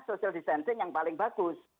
social distancing yang paling bagus